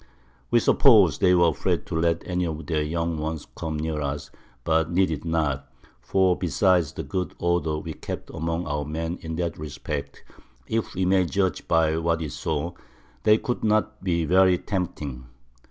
We suppose they were afraid to let any of their young ones come near us, but needed not; for besides the good Order we kept among our Men in that respect, if we may judge by what we saw, they could not be very tempting.